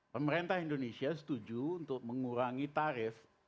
pemerintah indonesia setuju untuk mengurangi tarif